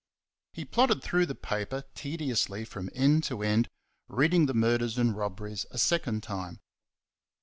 He plodded through the paper tediously from end to end, reading the murders and robberies a second time.